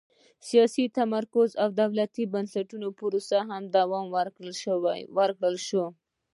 د سیاسي تمرکز او دولتي بنسټونو پروسې ته دوام ورکړل شوه.